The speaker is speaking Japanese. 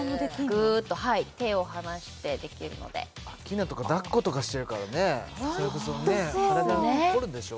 グーッとはい手を離してできるのでアッキーナだっことかしてるからねホントそうそれこそ体凝るでしょ？